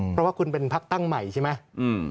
เพราะว่าคุณเป็นพักตั้งใหม่ใช่ไหม